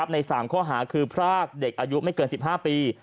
ใน๓ข้อหาคือพรากเด็กอายุไม่เกิน๑๕ปี